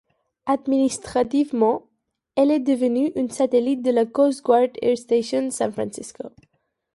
Administrativement, elle est devenue un satellite de la Coast Guard Air Station San Francisco.